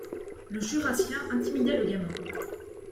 Le Jurassien intimidait le gamin